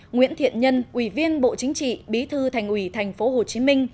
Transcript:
nguyễn thiện nhân ủy viên bộ chính trị bí thư thành ủy tp hcm